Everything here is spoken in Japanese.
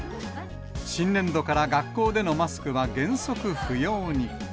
新年度から学校でのマスクは原則不要に。